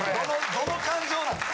・どの感情なんですか？